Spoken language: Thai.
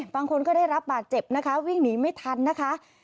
บางคนก็ได้รับบาดเจ็บนะคะวิ่งหนีไม่ทันนะคะ